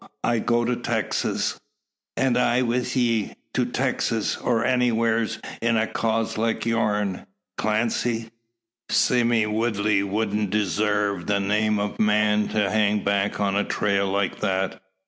I go to Texas." "An' I with ye. To Texas, or anywhars, in a cause like your'n, Clancy. Sime Woodley wouldn't desarve the name o' man, to hang back on a trail like that.